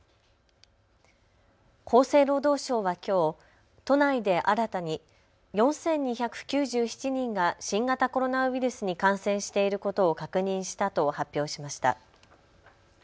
厚生労働省はきょう都内で新たに４２９７人が新型コロナウイルスに感染していることを確認したと発表しました。